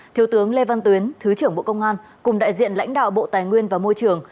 thiếu tướng lê văn tuyến thứ trưởng bộ công an cùng đại diện lãnh đạo bộ tài nguyên và môi trường